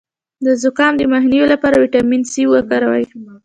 د زکام د مخنیوي لپاره ویټامین سي وکاروئ